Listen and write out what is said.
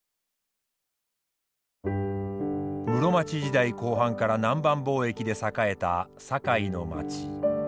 室町時代後半から南蛮貿易で栄えた堺の町。